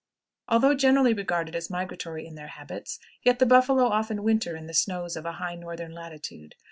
Although generally regarded as migratory in their habits, yet the buffalo often winter in the snows of a high northern latitude.